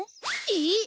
えっ？